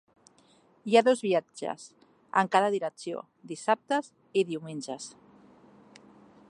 Hi ha dos viatges en cada direcció dissabtes i diumenges.